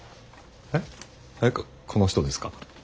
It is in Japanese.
えっこの人ですか？